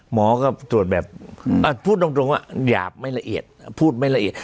หมอก็ตรวจแบบพูดตรงว่าหยาบไม่ละเอียดพูดไม่ละเอียด